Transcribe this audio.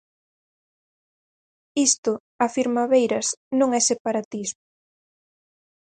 Isto, afirma Beiras, non é separatismo.